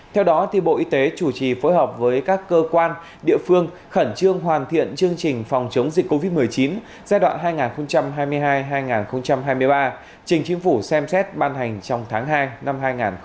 theo đó bộ y tế chủ trì phối hợp với các cơ quan địa phương khẩn trương hoàn thiện chương trình phòng chống dịch covid một mươi chín giai đoạn hai nghìn hai mươi hai hai nghìn hai mươi ba trình chính phủ xem xét ban hành trong tháng hai năm hai nghìn hai mươi